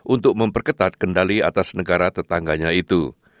untuk memperketat kendali atas negara tetangganya itu